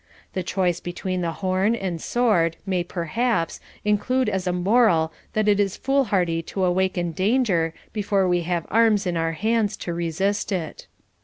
The choice between the horn and sword, may perhaps, include as a moral that it is foolhardy to awaken danger before we have arms in our hands to resist it.